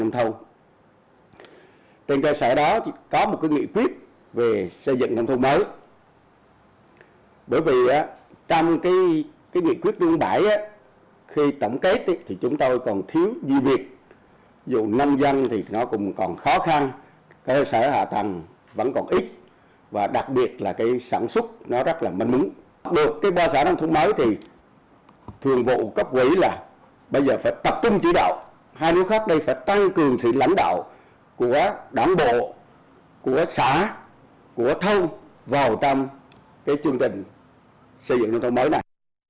thường bộ cấp quý là bây giờ phải tập trung chữ đạo hai nước khác đây phải tăng cường sự lãnh đạo của đảng bộ của xã của thông vào trong chương trình xây dựng nông thôn mới này